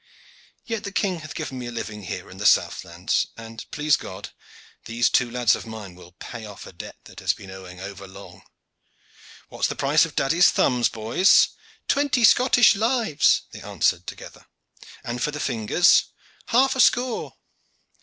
Yet the king hath given me a living here in the southlands, and please God these two lads of mine will pay off a debt that hath been owing over long. What is the price of daddy's thumbs, boys?" "Twenty Scottish lives," they answered together. "And for the fingers?" "Half a score."